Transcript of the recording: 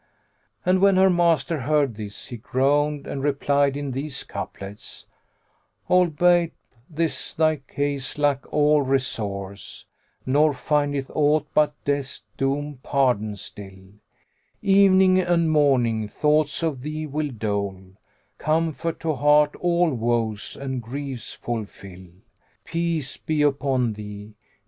'" And when her master heard this, he groaned and replied in these couplets, "Albeit this thy case lack all resource, * Nor findeth aught but death's doom, pardon still; Evening and morning, thoughts of thee will dole * Comfort to heart all woes and griefs full fill: Peace be upon thee!